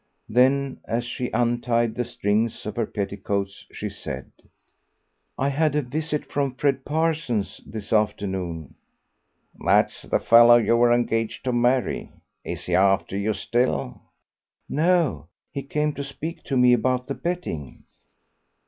Then, as she untied the strings of her petticoats, she said "I had a visit from Fred Parsons this afternoon." "That's the fellow you were engaged to marry. Is he after you still?" "No, he came to speak to me about the betting."